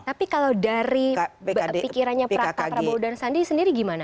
tapi kalau dari pikirannya pak prabowo dan sandi sendiri gimana